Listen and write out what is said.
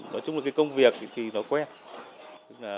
nói chung là cái công việc thì nó quen